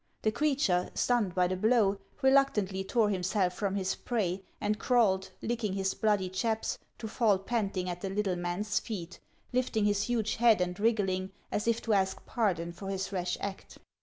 The creature, stunned by the blow, reluc tantly tore himself from his prey, and crawled, licking his bloody chaps, to fall panting at the little man's feet, lifting his huge head arid wriggling, as if to ask pardon for his rash act.